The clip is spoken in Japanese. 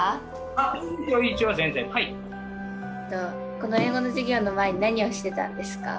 この英語の授業の前に何をしてたんですか？